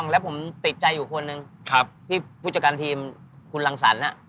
แล้วผมติดใจอยู่คนหนึ่งพี่ผู้จัดการทีมคุณรังสรรค์น่ะคุณรังสรรค์